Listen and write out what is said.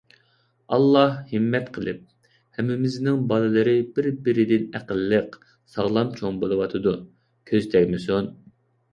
ئاللاھ ھىممەت قىلىپ، ھەممىمىزنىڭ بالىلىرى بىر-بىرىدىن ئەقىللىق، ساغلام چوڭ بولۇۋاتىدۇ. كۆز تەگمىسۇن.